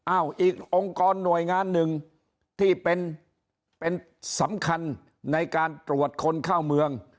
อีกองค์กรหน่วยงานหนึ่งที่เป็นสำคัญในการตรวจคนเข้าเมือง